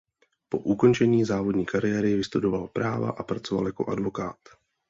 Po ukončení závodní kariéry vystudoval práva a pracoval jako advokát.